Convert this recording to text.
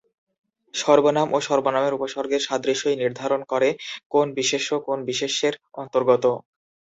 সর্বনাম ও সর্বনামের উপসর্গের সাদৃশ্যই নির্ধারণ করে কোন বিশেষ্য কোন বিশেষ্যের অন্তর্গত।